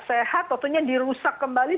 sehat tentunya dirusak kembali